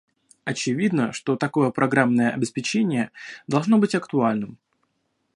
Очевидно, что такое программное обеспечение должно быть актуальным